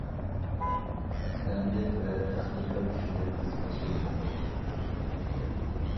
ئەمگەك ۋە تېخنىكا كۈچىگە بىز مەسئۇل بولدۇق.